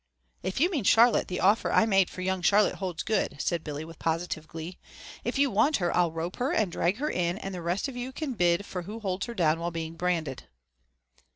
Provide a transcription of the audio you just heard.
"If you mean Charlotte, the offer I made for young Charlotte holds good," said Billy with positive glee. "If you want her I'll rope her and drag her in and the rest of you can bid for who holds her down while being branded."